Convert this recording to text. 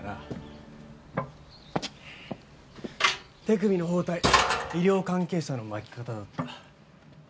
手首の包帯医療関係者の巻き方だった。